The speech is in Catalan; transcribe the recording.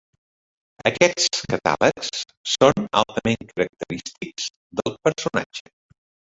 Aquests catàlegs són altament característics del personatge.